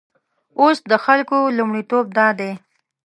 اوس د خلکو لومړیتوب دادی.